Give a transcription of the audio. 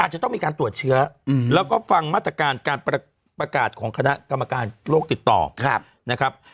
จะต้องมีการตรวจเชื้อแล้วก็ฟังมาตรการการประกาศของคณะกรรมการโรคติดต่อนะครับ